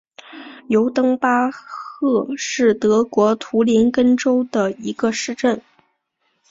尤登巴赫是德国图林根州的一个市镇。